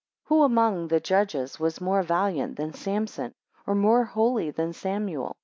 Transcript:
8 Who among the judges was more valiant than Sampson, or more holy than Samuel?